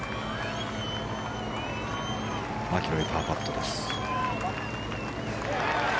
マキロイパーパットです。